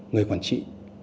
người quản trị